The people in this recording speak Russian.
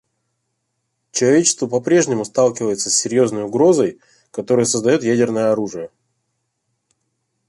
Человечество по-прежнему сталкивается с серьезной угрозой, которую создает ядерное оружие.